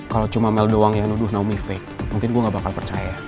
kalau cuma mel doang yang nuduh nomi fake mungkin gue gak bakal percaya